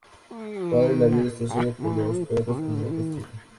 Su padre le había destrozado por los perros como castigo.